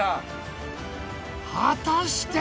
果たして。